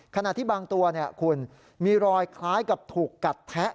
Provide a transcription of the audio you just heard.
ขณะที่บางตัวคุณมีรอยคล้ายกับถูกกัดแทะ